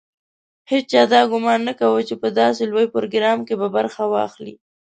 هېچا دا ګومان نه کاوه چې په داسې لوی پروګرام کې به برخه ولري.